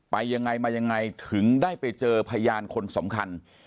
ยังไงมายังไงถึงได้ไปเจอพยานคนสำคัญ